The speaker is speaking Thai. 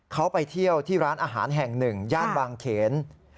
เขาไปเที่ยวที่ร้านอาหารแห่งหนึ่งย่านบางเขน